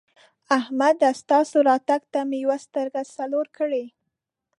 احمده! ستاسو راتګ ته مې یوه سترګه څلور کړې.